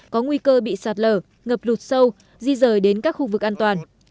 có nguy cơ bị sạt lở ngập lụt sâu di rời đến các khu vực an toàn